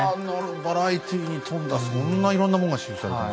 バラエティーに富んだそんないろんなもんが刺しゅうされてる。